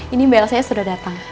ini mbak lcs sudah datang